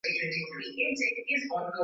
na kwa hiyo wamekuwa wanauza bidhaa nyingi